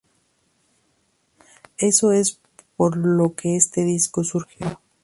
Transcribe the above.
Eso es por lo que este disco surgió.